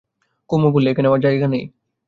কুমু বললে, ওখানে আমার জায়গা নেই।